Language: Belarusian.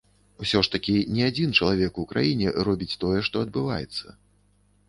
Усё ж такі не адзін чалавек у краіне робіць тое, што адбываецца.